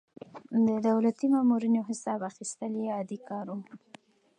د دولتي مامورينو حساب اخيستل يې عادي کار و.